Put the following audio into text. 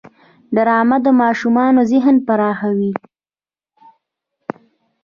ډرامه د ماشومانو ذهن پراخوي